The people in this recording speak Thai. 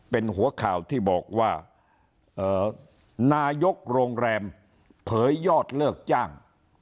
เป็นหัวข่าวที่บอกว่านายกโรงแรมเผยยอดเลิกจ้าง